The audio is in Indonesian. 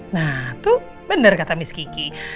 nah tuh bener kata miss kiki